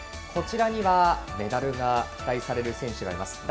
こちらにはメダルが期待される選手がいます。